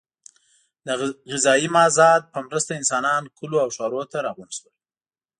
د غذایي مازاد په مرسته انسانان کلیو او ښارونو ته راغونډ شول.